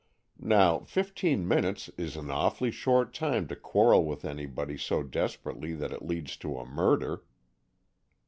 Now, fifteen minutes is an awfully short time to quarrel with anybody so desperately that it leads to a murder."